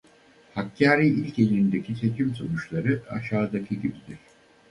Hakkâri il genelindeki seçim sonuçları aşağıdaki gibidir.